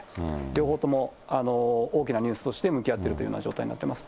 両方とも大きなニュースとして向き合っているというような状態になっています。